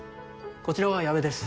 こちらは矢部です